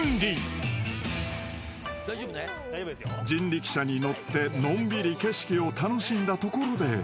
［人力車に乗ってのんびり景色を楽しんだところで］